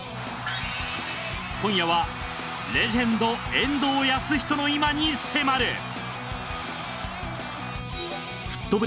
今夜はレジェンド遠藤保仁の今に迫る